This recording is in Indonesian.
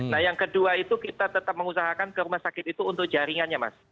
nah yang kedua itu kita tetap mengusahakan ke rumah sakit itu untuk jaringannya mas